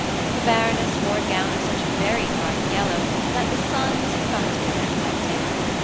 The Baroness wore a gown of such very bright yellow that the sun was affronted and went in.